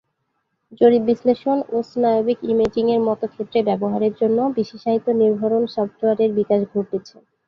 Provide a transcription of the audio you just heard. জরিপ বিশ্লেষণ ও স্নায়বিক-ইমেজিং এর মত ক্ষেত্রে ব্যবহারের জন্য, বিশেষায়িত নির্ভরণ সফটওয়্যার এর বিকাশ ঘটেছে।